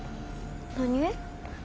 何？